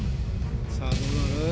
さぁどうなる？